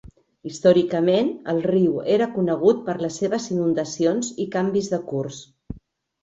Històricament, el riu era conegut per les seves inundacions i canvis de curs.